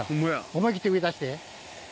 思い切って上出して。